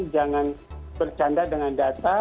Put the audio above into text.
jangan bercanda dengan data